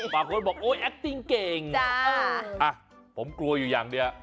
บางคนบอกโอ๊ยแอคติ้งเก่งผมกลัวอยู่อย่างเดียว